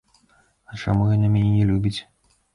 І чаму яна мяне не любіць?